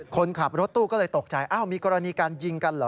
คนขับรถตู้ก็เลยตกใจอ้าวมีกรณีการยิงกันเหรอ